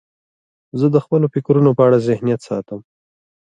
زه د خپلو فکرونو په اړه ذهنیت ساتم.